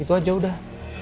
itu aja udah